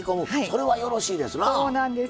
それはよろしいですな。